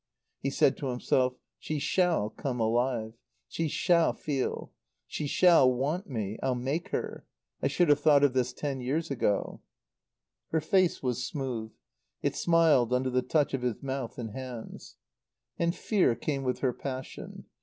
He said to himself, "She shall come alive. She shall feel. She shall want me. I'll make her. I should have thought of this ten years ago." Her face was smooth; it smiled under the touch of his mouth and hands. And fear came with her passion.